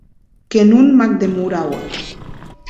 Que non m’ac demoraua!